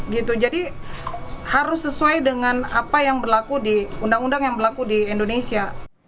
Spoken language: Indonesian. gitu jadi harus sesuai dengan apa yang berlaku di undang undang yang berlaku di indonesia